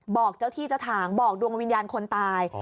บอกเจ้าที่เจ้าทางบอกดวงวิญญาณคนตาย